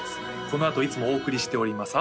このあといつもお送りしております